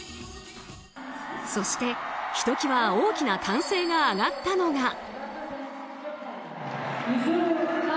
そして、ひときわ大きな歓声が上がったのが。